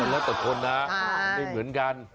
แต่ละตัวคนนะไม่เหมือนกัน